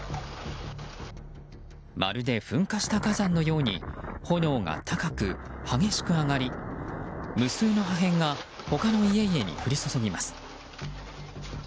まるで噴火した火山のように炎が高く激しく上がり無数の破片が他の家々に降り注ぎます。